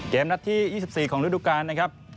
เกมนัดที่๒๔ของฤดุกรรมนะครับ